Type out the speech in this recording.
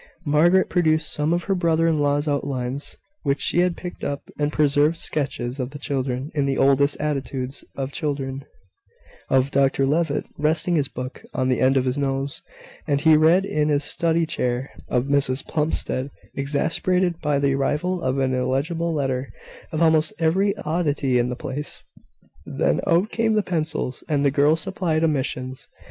Margaret produced some of her brother in law's outlines, which she had picked up and preserved sketches of the children, in the oddest attitudes of children of Dr Levitt, resting his book on the end of his nose, as he read in his study chair of Mrs Plumstead, exasperated by the arrival of an illegible letter of almost every oddity in the place. Then out came the pencils, and the girls supplied omissions.